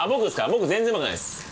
僕全然うまくないです。